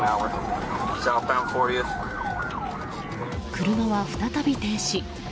車は再び停止。